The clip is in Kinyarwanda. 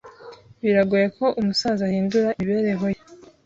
Biragoye ko umusaza ahindura imibereho ye.